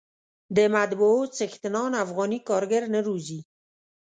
د مطبعو څښتنان افغاني کارګر نه روزي.